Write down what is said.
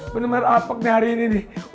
bener bener apek nih hari ini nih